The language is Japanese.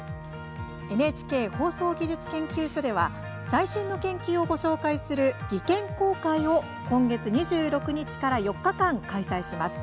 ＮＨＫ放送技術研究所では最新の研究をご紹介する技研公開を今月２６日から４日間、開催します。